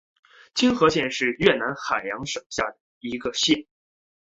青河县是越南海阳省下辖的一个县。